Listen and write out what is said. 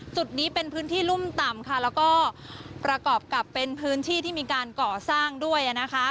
จุดนี้เป็นพื้นที่รุ่มต่ำค่ะแล้วก็ประกอบกับเป็นพื้นที่ที่มีการก่อสร้างด้วย